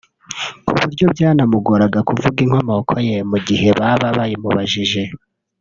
kuburyo byanamugoraga kuvuga inkomoko ye mu gihe baba bayimubajije